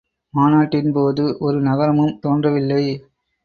மாநாட்டின் போது ஒரு நகரமும் தோன்றவில்லை.